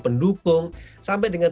pendukung sampai dengan